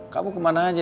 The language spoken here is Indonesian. kamu kemana aja